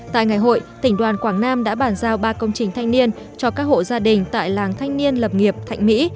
tại ngày hội tỉnh đoàn quảng nam đã bản giao ba công trình thanh niên cho các hộ gia đình tại làng thanh niên lập nghiệp thạnh mỹ